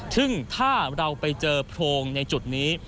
ซึ่งถ้าเราไปเจอโพรงในจุดนี้